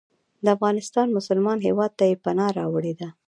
د افغانستان مسلمان هیواد ته یې پناه راوړې ده.